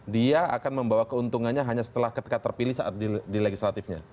dia akan membawa keuntungannya hanya setelah ketika terpilih saat di legislatifnya